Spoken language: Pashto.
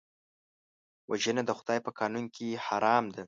وژنه د خدای په قانون کې حرام ده